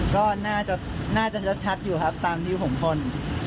ก็น่าจะชัดอยู่ครับตามที่ผมพ่น